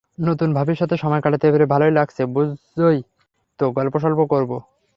নতুন ভাবীর সাথে সময় কাটাতে পেরে ভালই লাগছে, বুঝোই তো, গল্প-সল্প করব।